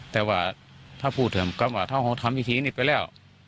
แต่ว่าถ้าพูดถึงกรรมว่าถ้าเขาทำพิธีนี้ไปแล้ว